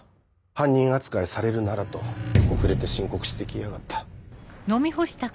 犯人扱いされるならと遅れて申告して来やがった。